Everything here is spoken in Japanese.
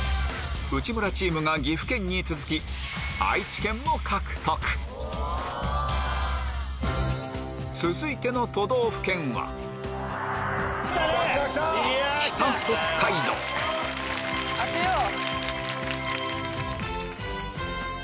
内村チームが岐阜県に続き愛知県も獲得続いての都道府県は当てよう！